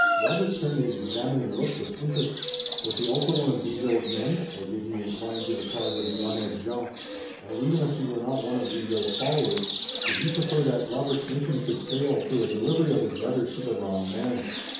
Robert turned his examining look with interest. Was he also one of Bigot's men, or did he incline to the cause of the honnêtes gens? Or, even if he were not one of Bigot's followers, did he prefer that Robert's mission should fail through a delivery of his letters to the wrong man?